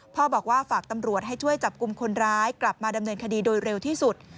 พ่อบอกว่าฝากตำรวจให้ช่วยจับกลุ่มคนร้ายกลับมาดำเนินคดีโดยเร็วที่สุด